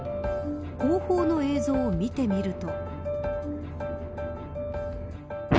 後方の映像を見てみると。